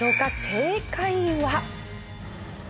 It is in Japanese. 正解は。